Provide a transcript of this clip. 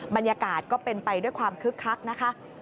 บรรยากาศก็เป็นไปด้วยความคึกคักนะคะ